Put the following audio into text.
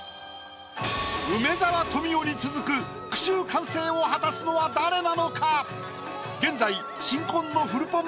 梅沢富美男に続く句集完成を果たすのは誰なのか⁉現在新婚のフルポン